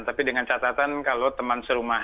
tapi dengan catatan kalau teman serumah